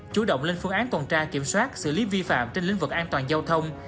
chủ động lên phương án tuần tra kiểm soát xử lý vi phạm trên lĩnh vực an toàn giao thông